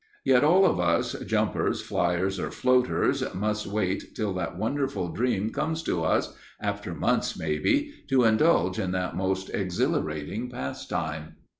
Yet all of us, jumpers, flyers or floaters, must wait till that wonderful dream comes to us, after months maybe, to indulge in that most exhilarating pastime.